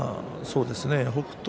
北勝